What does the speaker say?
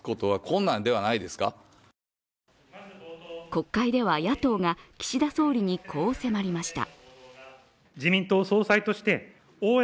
国会では野党が岸田総理にこう迫りました。